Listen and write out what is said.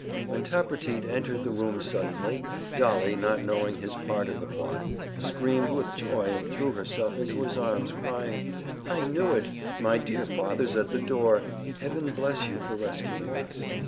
When Tappertit entered the room suddenly, Dolly, not knowing his part in the plot, screamed with joy and threw herself into his arms crying: "I knew it! My dear father's at the door! Heaven bless you for rescuing us!"